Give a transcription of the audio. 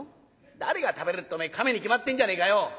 「誰が食べるってお前亀に決まってんじゃねえかよ」。